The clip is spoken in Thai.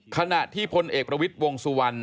ขณะที่พลเอกประวิทย์วงสุวรรณ